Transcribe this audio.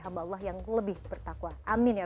hamba allah yang lebih bertakwa amin ya